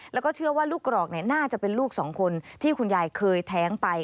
แล้วก็เชื่อว่าลูกกรอกน่าจะเป็นลูกสองคนที่คุณยายเคยแท้งไป